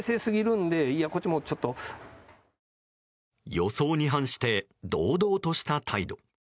予想に反して堂々とした態度。